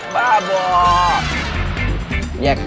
บ้าบอก